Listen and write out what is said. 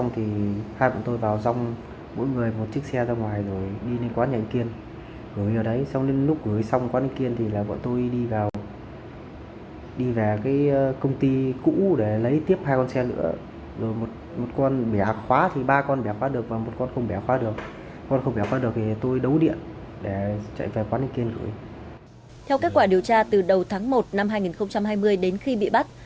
theo kết quả điều tra từ đầu tháng một năm hai nghìn hai mươi đến khi bị bắt